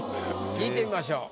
聞いてみましょう。